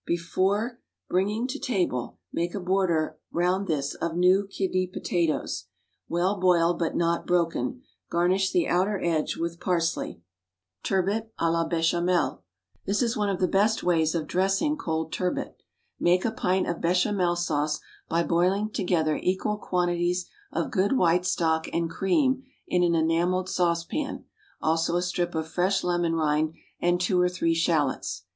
Before bringing to table, make a border round this of new kidney potatoes, well boiled but not broken; garnish the outer edge with parsley. =Turbot à la Béchamel.= This is one of the best ways of dressing cold turbot. Make a pint of Béchamel sauce by boiling together equal quantities of good white stock and cream in an enamelled saucepan, also a strip of fresh lemon rind and two or three shallots.